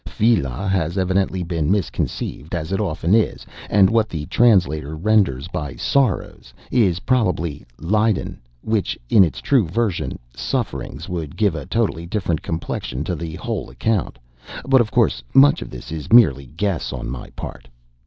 'Viele' has evidently been misconceived (as it often is), and what the translator renders by 'sorrows,' is probably 'lieden,' which, in its true version, 'sufferings,' would give a totally different complexion to the whole account; but, of course, much of this is merely guess, on my part.